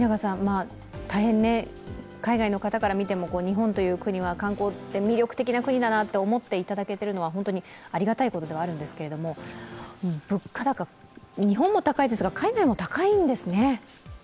海外の方から見ても日本という国は観光で魅力的な国だなと思っていただけているのはありがたいことではあるんですが物価高、日本も高いですが海外も高いんですね。